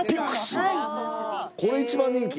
これ１番人気？